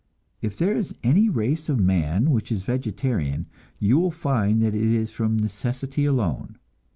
If there is any race of man which is vegetarian, you will find that it is from necessity alone.